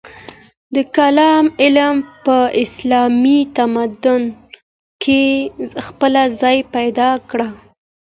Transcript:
د کلام علم په اسلامي تمدن کې خپل ځای پیدا کړ.